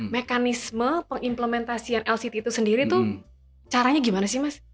mekanisme pengimplementasian lct itu sendiri itu caranya gimana sih mas